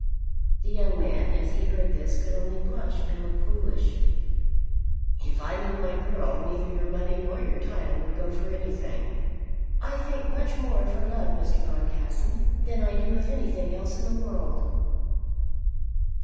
The young man as he heard this could only blush and look foolish. "If I know my girl, neither your money nor your title would go for anything." "I think much more of her love, Mr. Boncassen, than I do of anything else in the world."